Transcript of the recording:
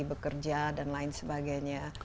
bekerja dan lain sebagainya